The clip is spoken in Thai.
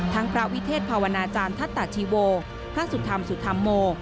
พระวิเทศภาวนาจารย์ทัตตาชีโวพระสุธรรมสุธรรมโม